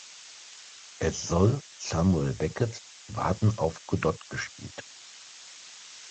Es soll Samuel Becketts Warten auf Godot gespielt.